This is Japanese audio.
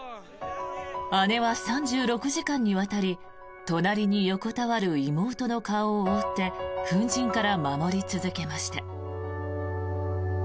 姉は３６時間にわたり隣に横たわる妹の顔を覆って粉じんから守り続けました。